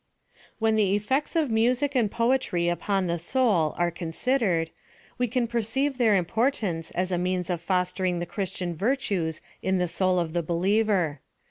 When the effects of music and poetry upon the soul are considered, we can perceive their imi)ort aiice as a means of fostering the christian virtues in the soul of the believer.